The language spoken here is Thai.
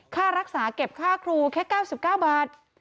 ค่ารักษาเก็บค่าครูแค่๙๙บาท